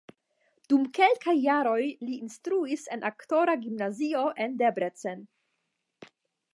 Dum kelkaj jaroj li instruis en aktora gimnazio en Debrecen.